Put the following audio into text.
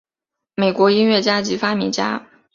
美国音乐家及发明家。